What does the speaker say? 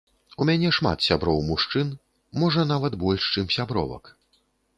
У мяне шмат сяброў-мужчын, можа, нават больш, чым сябровак.